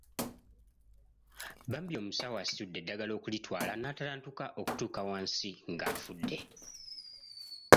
Bambi omusawo asitudde eddagala okulitwala n'atalantuka okutuuka wansi ng'afudde.